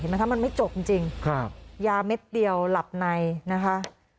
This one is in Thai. มันไม่จบจริงยาเม็ดเดียวหลับในนะคะ